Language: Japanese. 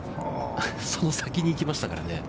その先に行きましたからね。